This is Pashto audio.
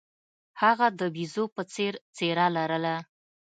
هغه د بیزو په څیر څیره لرله.